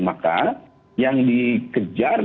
maka yang dikejar